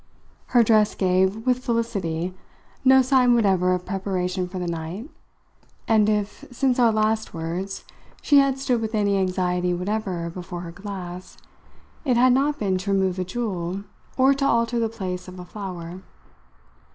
Her dress gave, with felicity, no sign whatever of preparation for the night, and if, since our last words, she had stood with any anxiety whatever before her glass, it had not been to remove a jewel or to alter the place of a flower.